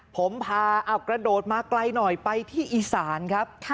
ผมพาเอากระโดดมาไกลหน่อยไปที่อีสานครับ